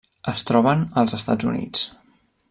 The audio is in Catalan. Es troben als Estats Units.